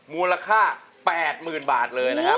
มูลค่า๘หมื่นบาทเลยนะครับ